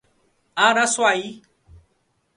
Araçuaí